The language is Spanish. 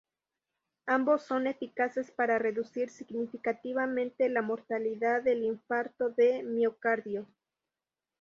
Ambos son eficaces para reducir significativamente la mortalidad del infarto de miocardio.